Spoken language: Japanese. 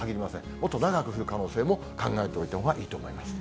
もっと長く降る可能性も考えておいたほうがいいと思います。